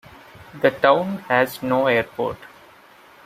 The town has no airport.